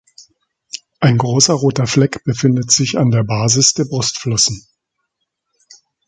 Ein großer roter Fleck befindet sich an der Basis der Brustflossen.